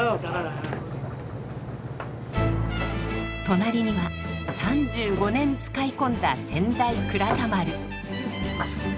隣には３５年使い込んだ先代倉田丸。